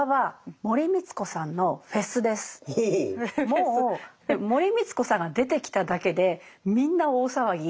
もう森光子さんが出てきただけでみんな大騒ぎ。